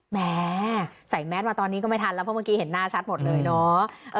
แม้ใส่แมสมาตอนนี้ก็ไม่ทันแล้วเพราะเมื่อกี้เห็นหน้าชัดหมดเลยเนาะ